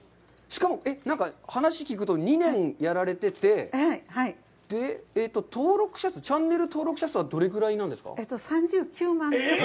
しかも、何か話を聞くと、２年やられてて、登録者数はどれぐらいなんですか。